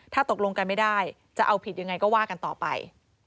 ถ้าตกลงกันไม่ได้จะเอาผิดยังไงก็ว่ากันต่อไป